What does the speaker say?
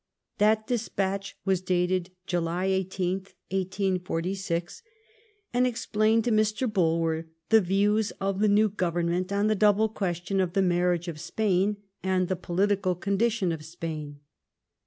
That despatch was dated July 18th, 1846, and explained to Mr. Bulwer the views of the new Government on the double ques tion of the marriage of the Queen and the political condition of Spain.